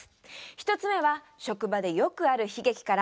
１つ目は職場でよくある悲劇から。